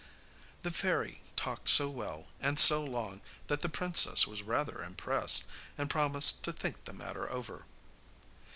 The fairy talked so well and so long that the princess was rather impressed, and promised to think the matter over.